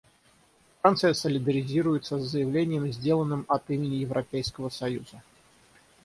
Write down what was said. Франция солидаризируется с заявлением, сделанным от имени Европейского союза.